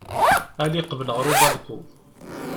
Ali qbel ɣer ubalku.